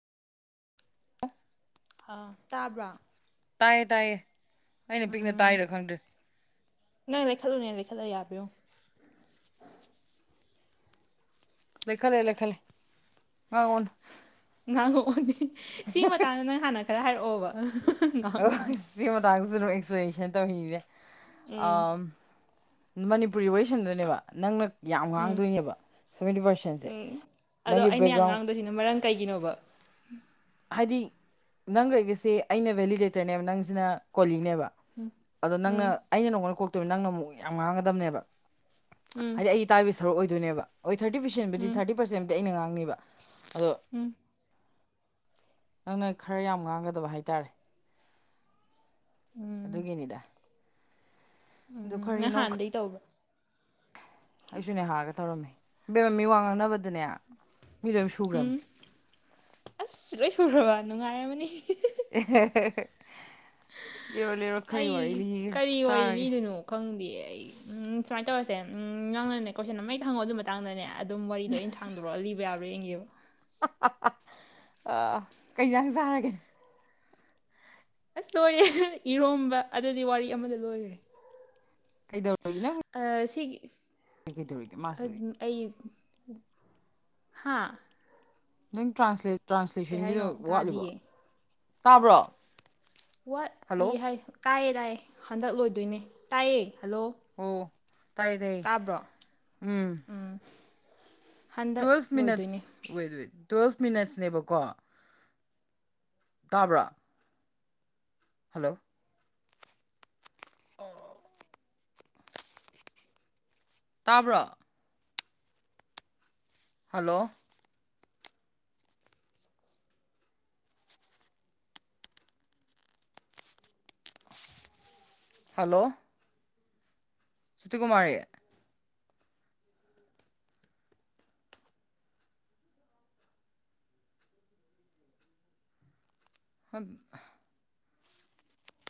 [unintelligible] ꯑꯥ ꯇꯥꯕ꯭ꯔꯥ ꯇꯥꯏꯌꯦ ꯇꯥꯏꯌꯦ ꯑꯩꯅ ꯄꯤꯛꯅ ꯎꯝ ꯇꯥꯏꯔꯥ ꯈꯪꯗ꯭ꯔꯤ ꯅꯪ ꯂꯩꯈꯠꯂꯨꯅꯦ ꯂꯩꯈꯠꯂ ꯌꯥꯕꯔ ꯌꯦꯡꯉꯣ ꯂꯩꯈꯠꯂꯦ ꯂꯩꯈꯠꯂꯦ [unintelligible] ꯉꯥꯡꯉꯣꯛꯑꯣꯅꯦ ꯁꯤꯒꯤ ꯃꯇꯥꯡꯗ ꯅꯪ ꯍꯥꯟꯅ ꯈꯔ ꯍꯥꯏꯔꯛꯑꯣꯕ ꯑꯣ ꯉꯥꯡꯉꯛꯑꯣꯅꯦ ꯁꯤꯒꯤ ꯃꯇꯥꯡꯁꯤꯁꯨ ꯑꯦꯛꯁꯄ꯭ꯂꯦꯅꯦꯁꯟ ꯇꯧꯔꯤꯁꯦ ꯎꯝ ꯑꯝ ꯃꯅꯤꯄꯨꯔꯤ ꯋꯥꯔꯤꯁꯥꯟꯅꯗꯨꯢꯅꯦꯕ ꯅꯪꯅ ꯌꯥꯝ ꯉꯥꯡꯗꯨꯢꯅꯦꯕ ꯁꯚꯦꯟꯇꯤ ꯄꯥꯔꯁꯦꯟꯁꯦ ꯅꯪꯒꯤ ꯕꯦꯛꯒ꯭ꯔꯥꯎꯟ ꯀꯔꯤꯅꯣ ꯃꯔꯝ ꯀꯩꯒꯤꯅꯣꯕ ꯍꯥꯏꯗꯤ ꯅꯪꯒꯥ ꯑꯩꯒꯁꯦ ꯑꯩꯅ ꯚꯦꯂꯤꯗꯦꯇꯔꯅꯦꯕ ꯅꯪꯁꯤꯅ ꯀꯣꯂꯤꯅꯦꯕ ꯑꯗꯣ ꯅꯪꯅ ꯑꯩꯅ ꯅꯪꯉꯣꯟꯗ ꯀꯣꯛꯇꯧ ꯅꯪꯅ ꯑꯃꯨꯛ ꯌꯥꯝ ꯉꯥꯡꯒꯗꯕꯅꯦꯕ ꯎꯝ ꯍꯥꯏꯗꯤ ꯑꯩ ꯇꯥꯕꯒꯤ ꯁꯔꯨꯛ ꯑꯣꯏꯗꯣꯏꯅꯦꯕ ꯍꯣꯏ ꯊꯔ꯭ꯥꯠꯇꯤ ꯄꯔ꯭ꯥꯁꯦꯟꯕꯨꯗꯤ ꯊꯥꯔꯇꯤ ꯄꯔ꯭ꯥꯁꯦꯟꯕꯨꯎꯤ ꯑꯩꯅ ꯉꯥꯡꯅꯤꯕ ꯑꯗꯣ ꯎꯝ ꯅꯪꯅ ꯈꯔ ꯌꯥꯝ ꯉꯥꯡꯒꯗꯕ ꯍꯥꯏꯇꯥꯔꯦ ꯎꯝ ꯑꯗꯨꯒꯤꯅꯤꯗ ꯑꯗꯨ ꯎꯝ ꯅꯪ ꯀꯔꯤꯅꯣ ꯍꯥꯟꯅꯗꯒꯤ ꯇꯧꯕ꯭ꯔꯥ ꯑꯩꯁꯨ ꯅꯦꯍꯥꯒ ꯇꯧꯔꯝꯃꯤ ꯏꯕꯦꯔꯝꯃ ꯃꯤꯋꯥ ꯉꯥꯡꯅꯕꯗꯅꯦ ꯃꯤ ꯂꯣꯏ ꯎꯝ ꯁꯨꯈ꯭ꯔꯕꯅꯤ ꯑꯁ ꯂꯣꯏ ꯁꯣꯢ ꯈꯔꯕ ꯅꯨꯡꯉꯥꯢꯔꯝ ꯃꯅꯤ ꯑꯦ ꯂꯤꯔꯣ ꯂꯤꯔꯣ ꯈꯔꯒꯤ ꯋꯥꯔꯤ ꯂꯤꯔꯣ ꯇꯥꯔꯒꯦ ꯈꯪꯗꯤꯌꯦ ꯑꯩ ꯁꯨꯃꯥꯏꯅ ꯇꯧꯔꯁꯦ ꯅꯪꯅꯅꯦ ꯀꯣꯏꯁꯟ ꯑꯃ ꯍꯦꯛꯇꯥ ꯍꯪꯉꯥꯛꯑꯣ ꯑꯗꯨꯢ ꯃꯊꯪꯗ ꯅꯪꯅꯅꯦ ꯑꯗꯨꯝ ꯋꯥꯔꯤꯗꯣ ꯑꯩꯅ ꯁꯥꯡꯗꯣꯔꯛꯂ ꯂꯤꯕ ꯌꯥꯕ꯭ꯔꯥ ꯌꯦꯡꯒꯦꯕ ꯑ ꯀꯩ ꯌꯦꯟꯖꯥꯡ ꯆꯥꯔꯒꯦ ꯑꯁ ꯂꯣꯏꯔꯦꯍꯦ ꯏꯔꯣꯝꯕ ꯑꯗꯨꯗꯤ ꯋꯥꯔꯤ ꯑꯃꯗ ꯂꯣꯏꯔꯦ ꯀꯩꯗꯧꯕꯒꯤ ꯅꯣ ꯑ ꯁꯤꯒꯤ ꯀꯩ ꯀꯩꯗꯧꯔꯤꯒꯦ ꯃꯥꯁꯤꯗꯤ ꯑꯩ ꯍꯥꯥ ꯅꯪ ꯇꯔ꯭ꯥꯟꯁꯂꯦ ꯀꯩ ꯇ꯭ꯔꯥꯟꯁꯂꯦꯁꯥꯟꯒꯤꯗꯣ ꯍꯥꯏꯅꯣ ꯋꯥꯠꯂꯤꯕꯣ ꯇꯥꯗꯤꯌꯦ ꯇꯥꯕ꯭ꯔꯣ ꯍꯜꯂꯣ ꯋꯥꯠꯂꯤ ꯍꯥꯏ ꯇꯥꯏꯌꯦ ꯇꯥꯏꯌꯦ ꯍꯟꯗꯛ ꯂꯣꯏꯗꯨꯢꯅꯦ ꯇꯥꯏꯌꯦ ꯍꯜꯂꯣ ꯑꯣ ꯇꯥꯢꯌꯦ ꯇꯥꯢꯌꯦ ꯇꯥꯕ꯭ꯔꯣ ꯎꯝ ꯍꯟꯗꯛ ꯇꯨꯋꯦꯜꯐ ꯃꯤꯅꯠꯁ ꯂꯣꯏꯗꯣꯏꯅꯦ ꯋꯦꯋꯦ ꯇꯨꯋꯦꯜꯐ ꯃꯤꯅꯠꯁꯅꯦꯕꯀꯣ ꯇꯥꯕ꯭ꯔꯥ ꯍꯜꯂꯣ ꯑꯣꯑꯣ ꯇꯥꯕ꯭ꯔꯣ ꯍꯜꯂꯣ ꯍꯜꯂꯣ ꯏꯁꯇꯤꯀꯨꯃꯔꯤ [unintelligible]